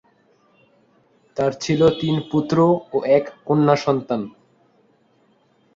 তার ছিল তিন পুত্র ও এক কন্যা সন্তান।